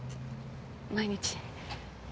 毎日。